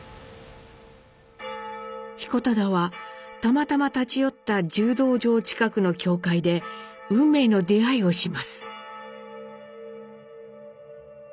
彦忠はたまたま立ち寄った柔道場近くの教会で運命の出会いをします。